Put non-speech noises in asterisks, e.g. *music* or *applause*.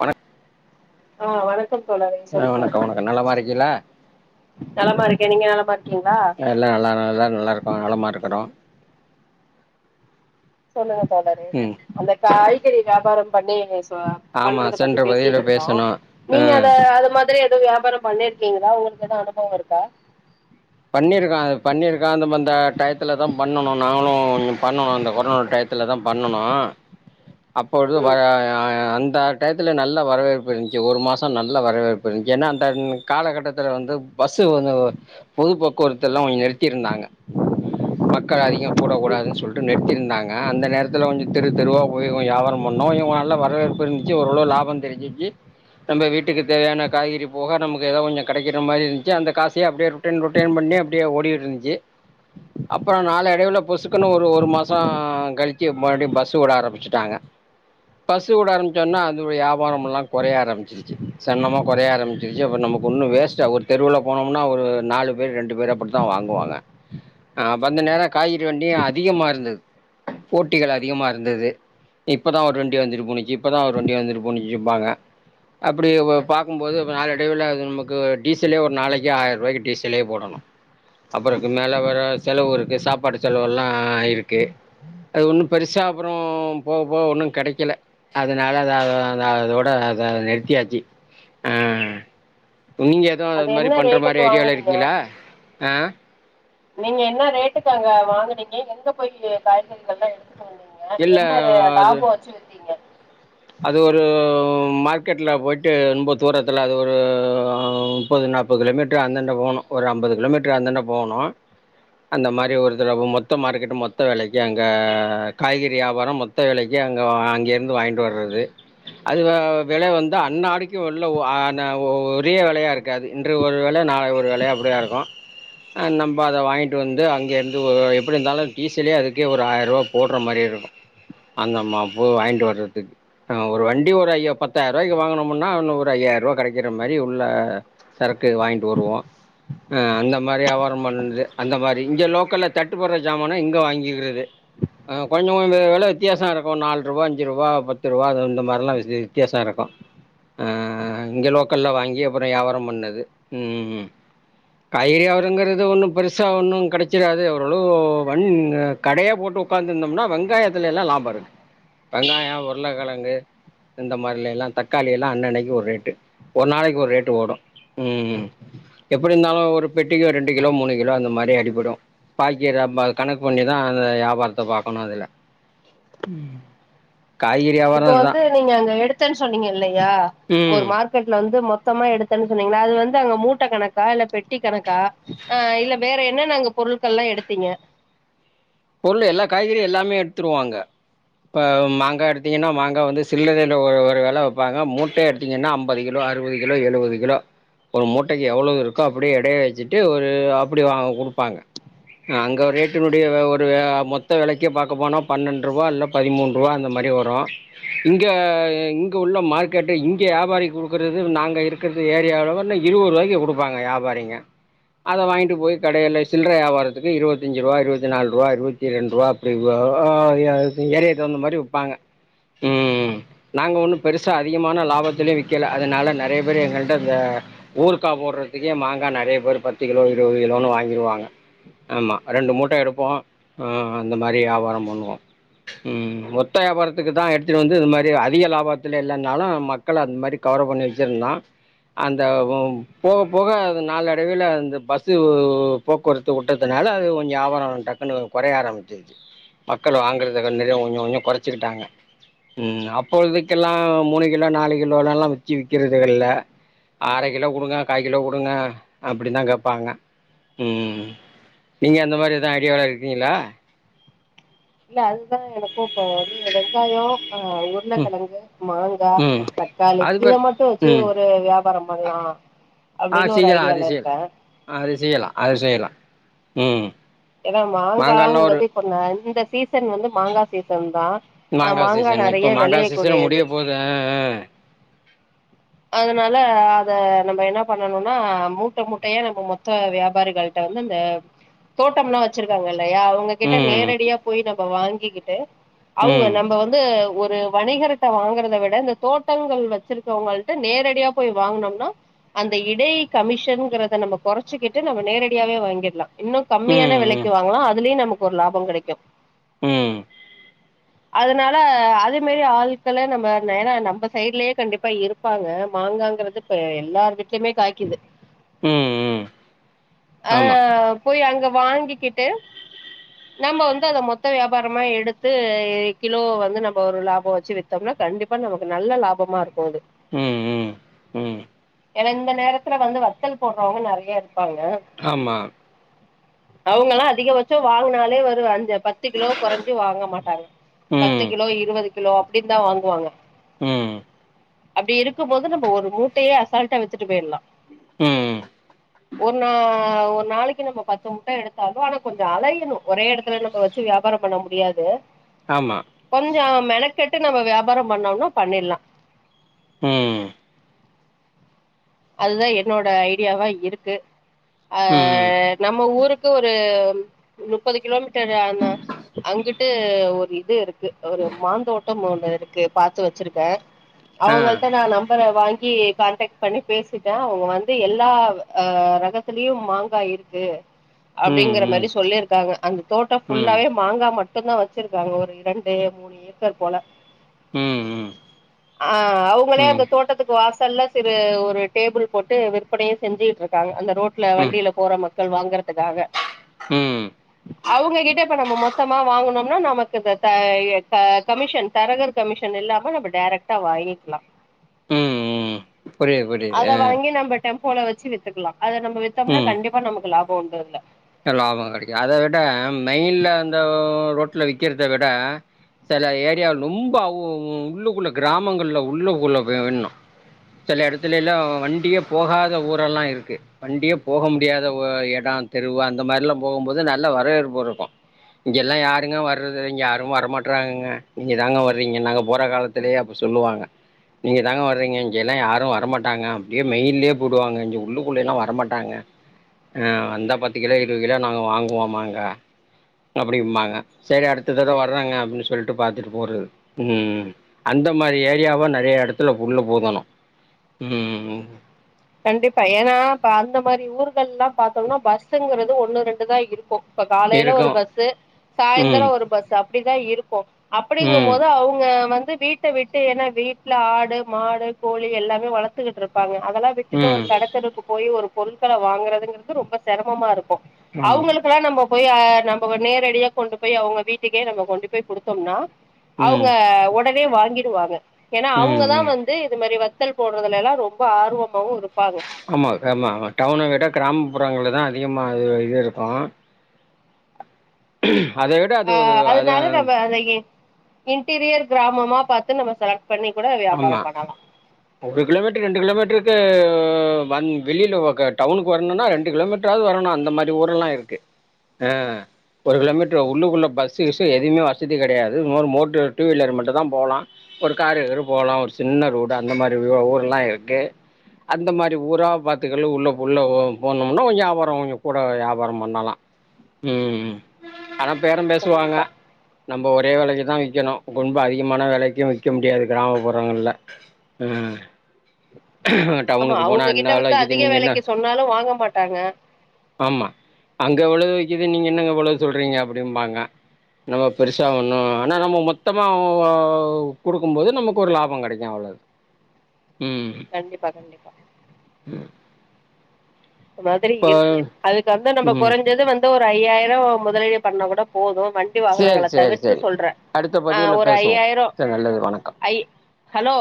வணக் ஆ வணக்கம் தோழரே சொல்லுங்க நலமா இருக்கீகளா நலமா இருக்கே நீங்க நலமா இருக்கீங்ளா எல்லா நல்லா நல்லாருக்கோ நல்லாருக்குறோ நலமா இருக்குறோ சொல்லுங்க தோழரே ம் அந்த காய்கறி வியாபார பண்ணீங்க ச ஆமா பண்றத பத்தி சென்ற பதிவுல பேசிட்டுருந்தோ பேசனோ ஆ நீங்க அத அது மாதிரி எதுவ் வியாபாரம் பண்ணிருக்கீங்ளா உங்களுக் எதாவ் அனுபவோ இருக்கா பண்ணிருக்க அது பண்ணிருக்க அந்த மா ந்த டயத்துல தா பண்ணணு நானு பண்ணணு அந்த கொரோனா டையத் த்துலதா பண்ணணு அப்பொழுது பா ம் அந்த டயத்துல நல்ல வரவேற்பு இங்க ஒரு மாசோ நல்ல வரவேற்பு ஏனா அந்த காலகட்டத்துல வந்து பஸ்சு எதுவ்மே ஓ பொது போக்குவரத்துல்லா கொஞ்சொ நிறுத்திருந்தாங்க மக்கள் அதிகோ கூடக் ம் கூடாதுன்னு சொல்ட்டு நிறுத்திருந்தாங்க க அந்த நேரத்துல கொஞ்சொ தெரு தெருவா போய் கொஞ் வியாபாரோ பண்ணோ கொஞ்சொ நல்ல வரவேற்பு இருந்துச்ச ஓரளவு லாபோ தெரிஞ்சிச்சு நம்ப வீட்டுக்கு தேவையான காய்கறி போக நமக்கு எதோ கொஞ்சொ கெடக்கிற மாரி இருந்துச்சு அந்த காசயே அப்டியே ரொ ட்டேன் குட்டேன் பண்ணி அப்டியே ஓடி கிட் இருந்துச்சு அப்றோ நாளடைவுல பொசுக்குன்னு ஒரு ஒரு மாசோ கழிச்சு மறுடியு பஸ்சு வுட ஆரம்பிச்சுட்டாங்க பஸ்சு வுட ஆரம்புச்சோனா அதுவுடைய வியாபாரமெல்லா கொறய ஆரம்பிச்சு சு சன்னமா கொறய ஆரம்பச்சிருச்சு அப்ப நமக்கு ஒன்னு வேஸ்ட்டா ஒரு தெருல போனோம்னா ஒரு நாலு பேர் ரெண்டு பேர் அப்டிதா வாங்குவாங்க ஆ அப் அந்த நேரோ காய்கறி வண்டியு அதிகமா இருந்தது போட்டிகளு அதிகமா இருந்தது இப்பதா ஒரு வண்டி வந்துனு போனுச்சு இப்பதா ஒரு வண்டி வந்துனு போனுச்சும்பாங்க அப்டி ப பாக்கும்போது நாளடைவுல அது நமக்கு டீசலே ஒரு நாளைக்கு ஆயிரூவாய் கிட் டீசலே போடணு அப்பறம்க்கு மேலே வேற செலவு இருக்கு சாப்பாட்டு செலவுல்லா இருக்கு அது ஒன்னு பெருசா அப்புறம் போக போக ஒன்னு கெடைக்கல அதனால அத அத அத அதோட அத நிறுத்தியாச்சு ஆ நீங்க எதுவு அது மாரி என்ன பண்ற மாரி ரேட்டுக்கு ஐடியால வாங்குனீங்க இருக்கீங்ளா ஆ நீங்க என்ன ரேட்டுக்கு அங்க வாங்குனீங்க எங்க போய் காய்கறிகள்லா எடுத்துட்டு வந்தீங் க இல்ல என்ன இது அது லாபோ வச்சு வித்தீங்க அது ஒரு மார்க்கெட்ல போயி்ட்டு ரொம்ப தூரத்துல அது ஒரு முப்பது நாப்பது கிலோமீட்டர் அந்தண்ட போகனு ஒரு அம்பது கிலோமீட்டர் அந்தண்ட போணு அந்த மாரி ஒருத்தடவ மொத்த மார்க்கெட் மொத்த வெலைக்கு அங்கே காய்கறி வியாபாரோ மொத் த வெலைக்கு அங்கே அங்கேருந்து வாங்கிட்டு வர்றது அது வெல வந்து அன்னாடிக்கு உள்ள ஒ ஆன ஒ ஒரே வெலையா இருக்காது இன்று ஒரு வெல நாளை ஒரு வெலை அப்டிதா இருக்கு அ நம்ப அத வாங்கிட்டு வந்து அங்கேருந்து ஒ எப்டி இருந்தாலு டீசலயே அதுக்கே ஒரு ஆயிரூவா போடுற மாரி இருக்கு அந்த மா போ வாங்கிட்டு வர்றதுக்கு அ ஒரு வண்டி ஒரு ஐயா பத்தாயிரம் ரூவாய்க்கு வாங்கனமுன்னா வுன்னோ ஒரு ஐயாய ரூவா கெடைக்கிற மாரி உள்ள சரக்கு வாங்கிட்டு வருவோ அ அந்த மாரி ஏவாரம் பண்ணுது அந்த மாரி இங்க லோக்கல்ல தட்டுப்படுற சமான இங்க வாங்கிக்கிறது ஆ கொஞ்சொ கொஞ்சொ வெல வித்தியாசொ இருக்கு நால் ரூபா அஞ்சு ரூபா பத் பத்து ருவா இது இந்த மாரிலா வி வித்தியாசோ இருக்கு அ இங்க லோக்கல்ல வாங்கி அப்பறோ ஏவாரம் பண்ணது ம் ம் ம் கை ஒதுங்கறது ஒன்னு பெருசா ஒன்னு கெடச்சுடாது ஓரளவு வண்ணு கடையா போட்டு ஒக்காந்துருந்தோம்னா வெங்காயத்துலேல்லா லாபொ இருக்கு வெங்காயோ உருளக்கெழங்கு இந்த மாரிலேல்லா தக்காளி எல்லா அன்னன்னக்கி ஒரு ரேட்டு ஒரு நாளக்கி ஒரு ரேட்டு ஓடு ம் எப்டி இருந்தாலு ஒரு பெட்டிக்கி ஒரு ரெண்டு கிலோ மூணு கிலோ அந்த மாரி அடிப்படு பாக்கி நம்ம கணக் பண்ணிதா அந்த ஏவாரத்த பாக்கணு அதுகல ம் இப்ப வந்து நீங்க அங்க எடுத்தேன்னு சொன்னீங்க இல்லயா ஒரு ம் மார்க் கெட்ல வந்து மொத்தமா எடுத்தேன் சொன்னீங்கள்ள அது வந்து அங்க மூட்ட கணக்கா இல்ல பெட்டி கணக்கா ஆ இல்ல வேற என்னன்ன அங்க பொருட்கள்லா எடுத்தீங்க பொருள் எல்லா காய்கறியு எல்லாமே எடுத்துறுவோ அங்க இப்ப மாங்கா எடுத்தீங்கன்னா மாங்கா வந்து சில்லரேல ஒரு ஒரு வெல வைப்பாங்க மூட்டயா எடுத் தீங்கன்னா அம்பது கிலோ அறுவது கிலோ எழுவது கிலோ ஒரு மூட்டைக்கி எவ்வளவு இருக்கோ அப்டியே எடைய வச்சுட்டு ஒரு அப்டி வாங்க குடுப்பாங்க அ அங்க ரேட்டினுடைய வ வ ஒரு மொத்த வெலக்கே பாக்க போனா பன்னண்டு ரூபா இல்ல பதிமூணு ரூபா அந்த மாரி வரு இங்க இங்க உள்ள மார்க்கெட்டு இங்க ஏபாரிக் குடுக்கறது நாங்க இருக் கறது ஏரியா லவல்ல இருவது ரூவாய்கு குடுப்பாங்க ஏவாரிங்க அத வாங்கிட்டு போய் கடேல சில்ற ஏவாரத்துக்கு இருவத்தஞ்சு ரூபா இருவத்த நாலு ரூபா இருவத்தி ரெண்டு ரூபா அப்டி *unintelligible* ஏரியாக் தகுந்த மாரி விப்பாங்க ம் நாங்க ஒண்ணு பெருசா அதிகமான லாபத்துலயே விக்கல அதுனால நெறைய பேர் எங்கள்ட்ட இந்த ஊருக்கா போட்றதுக்கே மாங்கா நெறைய பேரு பத்து கிலோ இருவது கிலோன்னு வாங்கிருவாங்க ஆமா ரெண்டு மூட்ட எடுப்போ ஆ அந்த மாரி ஏவாரோ பண்ணுவோ ம் மொத்த ஏவாரத்துக்கு தா எடுத்துட்டு வந்து இது மாரி அதிக லாபத்துல இல்லேனாலு ம மக்கள அந்த மாரி கவர பண்ணி வச்சிருந்தோ அந்த ஓ போக போக அது நாளடைவுல அந்த பஸ்ஸு போக்குவரத்து உட்டதுனால அது கொஞ்சோ ஏவாரோ டக்குனு கொறய ஆரம்பிச்சுருச்சு மக்கள் வாங்கறது கண்டது கொஞ்சொ கொஞ்சொ கொறச்சுகிட்டாங்க ம் அப்பொழுதுகெலா மூணு கிலோ நாலு கிலோலலாலா வச்சு விக்கிறதுகில்ல அர கிலோ குடுங்க கா கிலோ குடுங்க அப்டின்தா கேபாங்க ம் நீங்க அந்த மாரி எது ஐடியால இருக்கீங்ளா இல்ல அதுதா எனக்கு இப்போ வந்து வெங்காயோ ஆ ம் உருளகெழங்கு மாங்கா ம் தக்காளி அது இத பர் மட்டு வச்சு ம் ஒரு வியாபாரம் பண்லா ஆ அப்டினு ஒரு செய்யலா அது ஐடியால செய்யலா இருக்கே அது செய்யலா அது செய்யலா ம் ஏனா மாங்கால்லா ஒரு மாங்காங்குறது இப்பண்ண இந்த சீசன் வந்து மாங்கா சீசன் தா ஆ மாங்கா சீசன் நெறய இப்ப மாங்கா வெளய சீசன் கூடியது முடிய போது ஆ ஆ அதுனால அத நம்ப என்ன பண்ணணுனா மூட்ட மூட்டயா நம்ப மொத்த வியாபாரிகள் டம் இந்த தோட்டம்லா வச் வச்ருகாங்கல்லயா அவுங்ககிட்ட ம் நேரடியா போயி நம்ப வாங்கிகிட்டு அவ்ங்க ம் நம்ப வந்து ஒரு வணிகர்ட வாங்கறத விட இந்த தோட்டங்கள் வச்சிருக அவ்ங்கள் நேரடியா போய் வாங்னோம்னா அந்த இடை கமிஷன்ங்றத நம்ப கொறச்சிகிட்டு நம்ம நேரடியாவே வாங்கிற்லா இன்னு கம்மியான ம் வெலக்கு ம் வாங்லா அதுலயு நமக்கு ஒரு லாப கெடக்கு ம் ம் அதனால அதே மெரி ஆள்கள நம்ம ஏனா நம்ப சைடுலே கண்டிப்பா இருப் பாங்க மாங்காங்றது இப்ப எல்லார் வீட்லய்மே காக்கிது ம் ம் அ ஆமா ஆ போயி அங்க வாங்கிக்கிட்டு நம்ப வந்து அத மொத்த வியாபாரமா எடுத்து கிலோ வந்து நம்போ ஒரு லாப வச்சி வித் தோம்னா கண்டிப்பா நமக்கு நல்ல லாபமாருக்கு அது ம் ம் ம் ஏனா இந்த நேரத்துல வந்து வத்தல் போடுறவங்க நெறய இருப்பாங்க ஆமா அவ்ங்லா அதிகபட்ச வாங்னாலே ஒரு அஞ்சப் பத்து கிலோ கொறஞ்சி வாங்க மாட்டாங்க பத்து ம் கிலோ இருவது கிலோ அப்டி தா வாங்குவாங்க ம் அப்டிருக்கு போது நம்ப ஒரு மூட்டயே அசால்டா வித்துட்டு பேயிர்லா ம் ஒர் நா ஒர் நாளக்கி நம்ம பத்து முட்ட எடுத்தாலு ஆனா கொஞ்ச அலையணு ஒரே எடத்துல நம்போ வித்து வியாபாரம் பண்ண முடியாது ஆமா கொஞ்ச மெனக்கெட்டு நம்ம வியாபாரம் பண்ணோம்னா பண்ணிற்லா ம் அதுதா என்னோட ஐடியாவா இருக்கு ம் அஅஅஅஅப் நம்ம ஊருக்கு ஒரு முப்பது கிலோமீட்டரு ஆனா அங்குட்டு ஒரு இதுருக்கு ஒரு மாந்தோட்டம் ஒன்னு இருக்கு பாத்து வச்சிருக்கே ஆ அவ்ங்கள்ட நா நம்பர வாங்கி கான்டக்ட் பண்ணி பேசிட்டா அவ்ங்க வந்து எல்லா அ ரகத்லயு மாங்கா இருக்கு ம் அப்டிங்குற ம் மரி சொல்லிருகாங்க அந்த தோட்ட ம் ம் புல்லாவே மாங்கா மட்டு தா வச்சிருகாங்க ஒரு ரெண்டு மூணு ஏக்கர் போல ம் ம் ஆ அவ்ங்களே ம் அந்த தோட்டத்துக்கு வாசல்ல சிறு ஓர் ஒரு டேபிள் போட்டு விற்பனையு செஞ்சிட்டு இருக்காங்க அந்த ரோட்ல வண்டில போற மக்கள் வாங்கறதுக்காக உம் அவங்க கிட்ட இப்ப நம்ம மொத்தமா வாங்கனோம்னா நமக்கு இந்த தய த கமிஷன் தரகர் கமிஷன் இல்லாம நம்ம டைரக்டா வாங்கிக்கிலா ம் புரியுது புர் அத வாங்கி நம்ம டெம்போல வச்சி வித்துக்கிலா அத நம்ம வித்தோம்னா கண்டிப்பா நமக்கு லாபோ உண்டு இல்ல லாபோ கேடைக்கு அத விட மெயின்ல அந்த ஒ ஒ ரோட்ல விக்கிறத விட சில ஏரியாவ ரொம்பஸ அவ் ஒ ஒ உள்ளுக்குள்ள கிராமங்கள்ல உள்ளக்குள்ள பேய் வென்னா சில எடத்தில்லே எல்லா வண்டியே போகாத ஊரெல்லா இருக்கு வண்டியே போக முடியாத ஒ ஏடோ தெருவு அந்த மாதிரி எல்லா போகும் போது நல்ல வரவேற்பு இருக்கு இங்கெல்லா யாங்க வறது இங்க யாரும் வரமாட்றாங்க இங்க தாங்க வர்றீங்க நாங்க போற காலத் லயே அப்ப சொல்லுவாங்க நீங்க தாங்க வர்ரீங்க இங்கெல்லா யாரு வர மாட்டாங்க அப்டியே மெயின்லயே போடுவாங்க இங்க உள்ளுக்குள்ளயல்லா வர மாட்டாங்க அ வந்தா பத்து கிலோ இருபது கிலோ நாங்க வாங்குவோமாகா அப்டிமாங்க செரி அடுத்த தடவ வர்றாங்க அப்டின்னு சொல்ட்டு பாத்துட்டு போறது ம் அந்த மாரி ஏரியாவா நெறையா எடத்துல உள்ள போகணு ம் கண்டிப்பா ஏன்னா அந்த மாதிரி ஊர்கள் எல்லா பாத்தோம்னா பஸ்ங்கறிறது ஒண்ணு ரெண்டு தா இருக்கு இப்ப காலையில ஒரு இருக்கும் பஸ்சு சாயந்திரோ ம் ஒரு பஸ்சு அப்டிதா இருக்கு அப்டிங்கு ம் போது அவங்க வந்து வீட் வீட்ட விட்டு ஏன்னா வீட்ல ஆடு மாடு கோழி எல்லாமே வளர்த்துக்கிட்டு இருப்பாங்க அதெல்லா விட் விட்டுட்டு ஒரு ம் கட தெருக்கு போய் ஒரு பொருட்கள வாங்குறதுங்கிறது ரொம்ப செரமமா இருக்கு ஆமா அவங்களுகெல்லா நம்ம போய் அ நம்ம நேரடியா கொண்டு போய் அவங்க வீட்டுக்கே நம்ம கொண்டு போய் கொடுத்தோம்னா அவங்க ம் ஒ வே வாங்கிடுவாங்க ஏன்னா அவங்க ம் தா ம் வந்து இது மாரி வத்தல் போடுறதுல எல்லா ரொம்ப ஆர்வம் இருப்பாங்க ஆமா ஆமா ஆ டவுன விட கிராமப்புறங்கள தா அதிகமாக இது இருக்கு அதுவிட ஆ அதனால நம்ம அத ஏ இன்டீரியர் கிராமமா பாத்து நம்ம செலக்ட் பண்ணி கூட வியாபாரோ ஆமா பண்ணலா ஒரு கிலோமீட்டர் ரெண்டு கிலோமீட்டருக்கு வன் வெளியில டவுனுக்கு வர்ணுன்னா ரெண்டு கிலோமீட்டர் து வரணு அந்த மாதிரி ஊரல்லா இருக்கு அ ஒரு கிலோமீட்டரு உள்ளுக்குள்ள பஸ் கிஸ் எதுவுமே வசதி கெடையாது இன்னொரு மோட்ரு டூ வீலர் மட்டு தா போலா ஒரு கார் எ போலா ஒரு சின்ன ரோடு அந்த மாதிரி ஊர் எல்லா இருக்கு அந்த மாதிரி ஊரா பாத்துக்கல்ல உள்ள உள்ள போனோம்னா கொஞ்சோ வியாபாரோ கொஞ்சோ கூட வியாபாரோ பண்ணலா ம் ஆனா பேரோ பேசுவாங்க கண்டிப்பா நம்ம ஒரே வெலைக்கு தா விக்கணு ரொம்ப அதிகமான வெலைக்கு விக்க முடியாது கிராமப்புறங்கள்ல ம் அ ஆமா டவுனுக்கு போனா அவுங்ககிட்ட என்ன வந்து வெலைக்கு விக்குது அதிக நீங்க என்ன வெலைக்கு சொன்னாலு வாங்க மாட்டாங்க ஆமா அங்க எவ்ளவு விக்கது நீங்க என்னங்க இவ்வளவு சொல்றீங்க அப்டிம்பாங்க நம்ம பெருசா ஒன்னு ஆனா நம்ம மொத்தமா கொடுக்கும்போது நமக்கு ஒரு லாபோ கிடைக்கு அவ்ளோதா ம் கண்டிப்பா கண்டிப்பா ம் அந்த மாதிரி இருக்கு அதுக்கு வந்து நம்ம ம் குறஞ்சது வந்து ஒரு ஐயாயிரோ முதலீடு பண்ணா கூட போது வண் சேரி வாகனங்கள சேரி தவிர்த்து சேரி சொல்றே அடுத்த ஆ பதிவுல ஒரு பேசுவோ ஐயாயிரோ சேரி நல்லது வணக்கம் ஐ ஹலோ